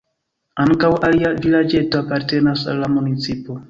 Ankaŭ alia vilaĝeto apartenas al la municipo.